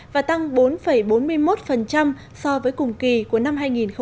và tăng bốn bốn mươi một so với cùng kỳ của năm hai nghìn một mươi tám